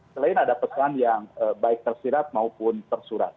selain ada pesan yang baik tersirat maupun tersurat